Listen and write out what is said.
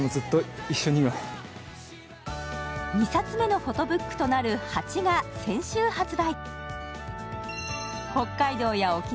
２冊目のフォトブックとなる「８」が先週発売。